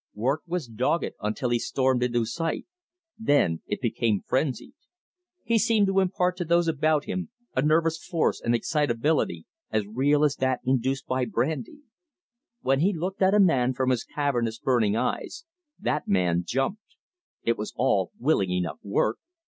Work was dogged until he stormed into sight; then it became frenzied. He seemed to impart to those about him a nervous force and excitability as real as that induced by brandy. When he looked at a man from his cavernous, burning eyes, that man jumped. It was all willing enough work.